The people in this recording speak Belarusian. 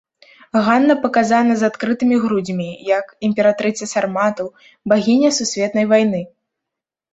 Ганна паказана з адкрытымі грудзьмі, як імператрыца сарматаў, багіня сусветнай вайны.